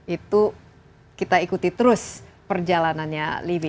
itu kita ikuti terus perjalanannya livi